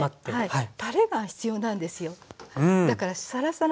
はい。